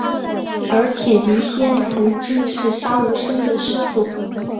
而铁笛仙曾经是杀无生的师父。